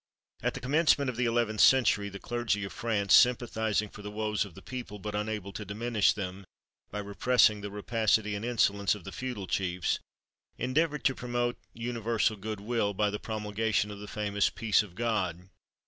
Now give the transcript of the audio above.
At the commencement of the eleventh century, the clergy of France, sympathising for the woes of the people, but unable to diminish them, by repressing the rapacity and insolence of the feudal chiefs, endeavoured to promote universal good will by the promulgation of the famous "Peace of God."